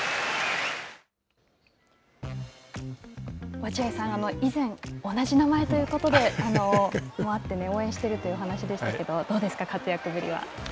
落合さん、以前同じ名前ということで、応援してるという話でしたけど、どうですか、活躍ぶりは。